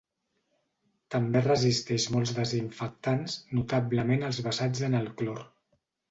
També resisteix molts desinfectants, notablement els basats en el clor.